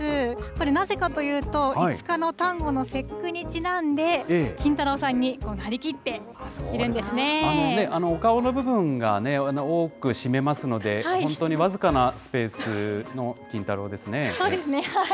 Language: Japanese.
これ、なぜかというと、５日の端午の節句にちなんで、金太郎さんお顔の部分が多く占めますので、本当に僅かなスペースの金太郎ですね。